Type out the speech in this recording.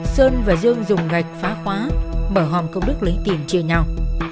sơn và dương dùng gạch phá khóa mở hòm công đức lấy tiền chia nhau